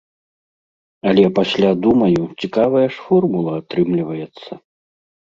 Але пасля думаю, цікавая ж формула атрымліваецца.